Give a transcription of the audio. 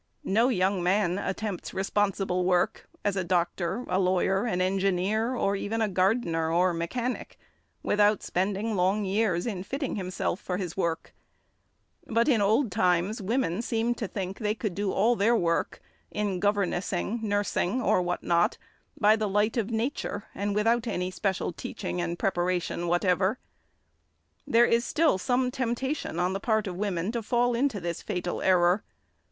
No young man attempts responsible work as a doctor, a lawyer, an engineer, or even a gardener or mechanic, without spending long years in fitting himself for his work; but in old times women seemed to think they could do all their work, in governessing, nursing, or what not, by the light of nature, and without any special teaching and preparation whatever. There is still some temptation on the part of women to fall into this fatal error.